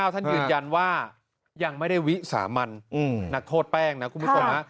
ท่านยืนยันว่ายังไม่ได้วิสามาร์นนักโทษแป้งนะครับคุณผู้ตรวจภาค